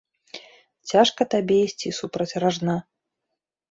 Цяжка табе ісці супраць ражна.